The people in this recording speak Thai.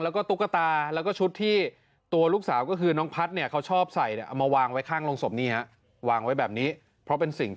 และตุ๊กตาและชุดที่ตัวลูกสาวก็คือ